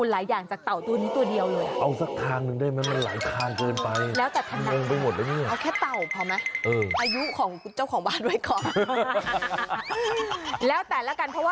แล้วแต่ละกันเพราะว่า